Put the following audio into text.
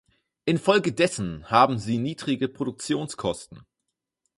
Infolgedessen haben sie niedrigere Produktionskosten.